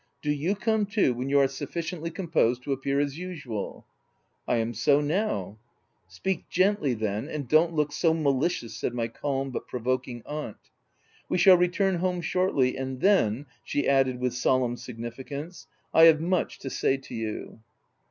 Do you come too, when you are sufficiently composed to appear as usual." U I am so now." " Speak gently then ; and don't look so ma licious," said my calm, but provoking aunt. 308 THE TENANT u We shall return home shortly, and then," she added with solemn significance, " I have much to say to you.'